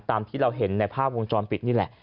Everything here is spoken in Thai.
ตามที่เราเห็นในภาพวงจรปิดนี่แหละ